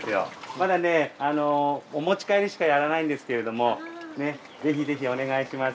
まだねお持ち帰りしかやらないんですけれどもぜひぜひお願いします。